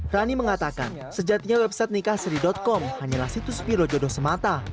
rani mengatakan sejatinya website nikahsiri com hanyalah situs biro jodoh semata